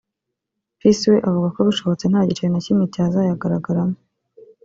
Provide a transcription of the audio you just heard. Peace we avuga ko bishobotse nta n’igiceri na kimwe cyazayagaragaramo